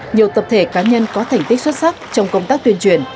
nhiều tập thể cá nhân có thành tích xuất sắc trong công tác tuyên truyền